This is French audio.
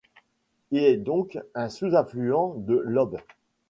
Il est donc un sous-affluent de l'Ob.